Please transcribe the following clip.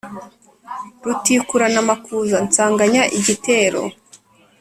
Rutikuranamakuza nsanganya igitero